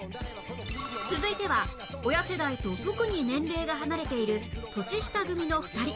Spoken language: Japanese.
続いては親世代と特に年齢が離れている年下組の２人